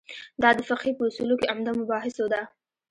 دا د فقهې په اصولو کې عمده مباحثو ده.